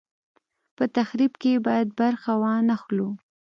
په تخریب کې یې باید برخه وانه خلو.